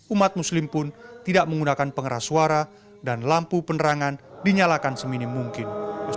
umat muslim pun tidak menggunakan pengeras suara dan lampu penerangan dinyalakan seminim mungkin